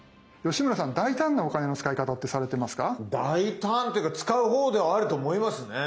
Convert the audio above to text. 大胆というか使うほうではあると思いますね。